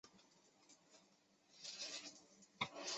聚乙烯按其密度和分支分类。